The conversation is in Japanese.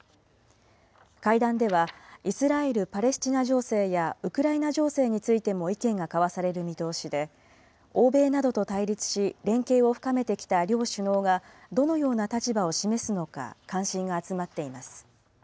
会談では、イスラエル・パレスチナ情勢やウクライナ情勢についても意見が交わされる見通しで、欧米などと対立し、連携を深めてきた両首脳がどのような立場を示すのか、関心が集まっています。